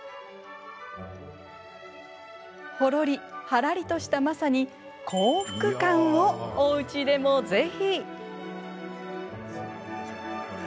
ほろりはらりとしたまさに口福感をおうちでもぜひ。